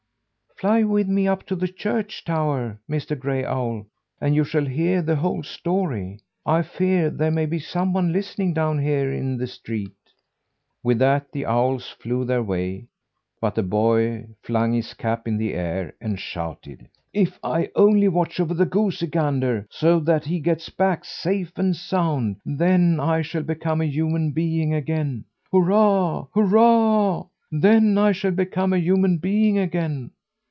"Fly with me up to the church tower, Mr. Gray Owl, and you shall hear the whole story! I fear there may be someone listening down here in the street." With that, the owls flew their way; but the boy flung his cap in the air, and shouted: "If I only watch over the goosey gander, so that he gets back safe and sound, then I shall become a human being again. Hurrah! Hurrah! Then I shall become a human being again!"